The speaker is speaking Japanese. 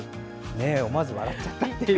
思わず笑っちゃったって。